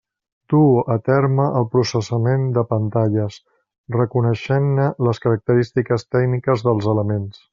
Duu a terme el processament de pantalles, reconeixent-ne les característiques tècniques dels elements.